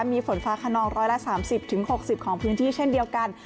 มีฝนฟ้าขนอง๑๓๐๖๐ของพื้นที่เช่นเดียวกัน